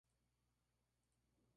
Tenía otra hermana, Justa.